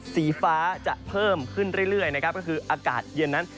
สีฟ้าจะเพิ่มขึ้นเรื่อยนะครับก็คืออากาศเย็นนั้น